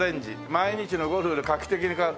毎日のゴルフが画期的に変わる。